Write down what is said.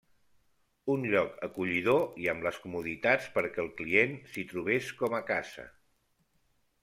Un lloc acollidor i amb les comoditats perquè el client s'hi trobés com a casa.